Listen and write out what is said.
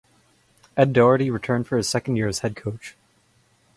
Ed Doherty returned for his second year as head coach.